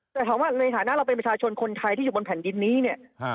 แต่ถามว่าในฐานะเราเป็นประชาชนคนไทยที่อยู่บนแผ่นดินนี้เนี่ย